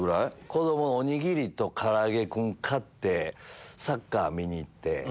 子供のおにぎりとからあげクン買ってサッカー見に行って。